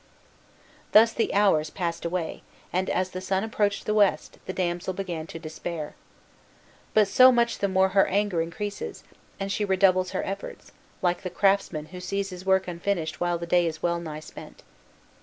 Thus the hours passed away, and, as the sun approached the west, the damsel began to despair. But so much the more her anger increases, and she redoubles her efforts, like the craftsman who sees his work unfinished while the day is wellnigh spent.